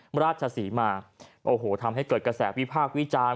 ราชศรีมาโอ้โหทำให้เกิดกระแสวิพากษ์วิจารณ์